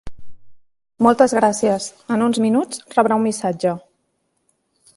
Moltes gràcies, en uns minuts rebrà un missatge.